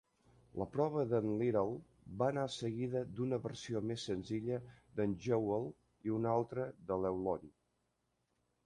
La prova d"en Little va anar seguida d"una versió més senzilla de"n Jewel i una altra de l"Eulon.